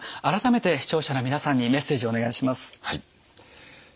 改めて視聴者の皆さんにメッセージお願いします。